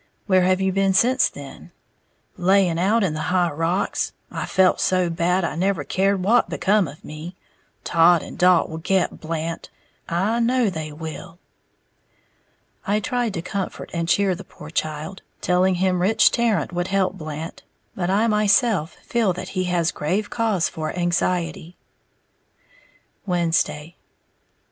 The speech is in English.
"Where have you been since then?" "Laying out in the high rocks, I felt so bad I never cared what become of me. Todd and Dalt will get Blant, I know they will!" I tried to comfort and cheer the poor child, telling him Rich Tarrant would help Blant, but I myself feel that he has grave cause for anxiety. _Wednesday.